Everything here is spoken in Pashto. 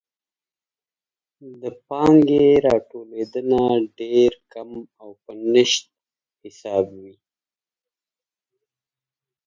د پانګې راټولیدنه ډېر کم او په نشت حساب وي.